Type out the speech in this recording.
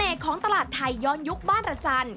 เสน่ห์ของตลาดไทยย้อนยุคบ้านระจัน